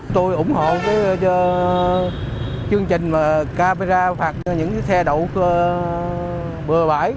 tôi ủng hộ cái chương trình mà camera phạt những cái xe đậu bừa bãi